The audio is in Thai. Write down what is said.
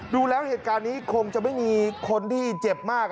ดูแล้วเหตุการณ์นี้คงจะไม่มีคนที่เจ็บมาก